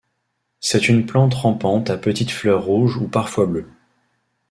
C'est une plante rampante à petites fleurs rouges ou parfois bleues.